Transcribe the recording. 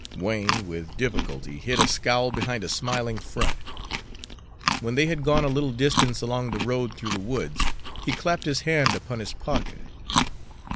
Wain with difficulty hid a scowl behind a smiling front. When they had gone a little distance along the road through the woods, he clapped his hand upon his pocket.